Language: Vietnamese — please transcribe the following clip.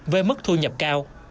với mức thu nhập cao